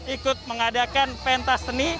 ikut mengadakan pentas seni